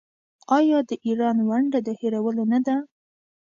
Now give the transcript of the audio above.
آیا د ایران ونډه د هیرولو نه ده؟